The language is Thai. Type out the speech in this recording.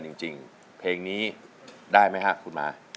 เนื่องจริงเพลงนี้ได้ไหมฮะคุณหมา